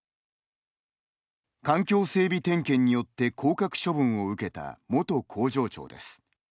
環境整備点検によって降格処分を受けた元工場長です。